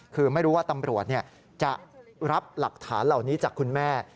คือไม่รู้ว่าตำรวจจะรับหลักฐานเหล่านี้จากคุณแม่